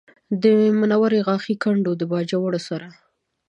د منورې غاښی کنډو د باجوړ سره